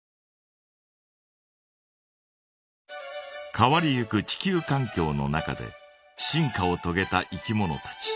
変わりゆく地球かん境の中で進化をとげたいきものたち。